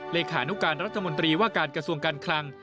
เลขานุการรัฐมนตรีว่าการกระทรวงการคลัง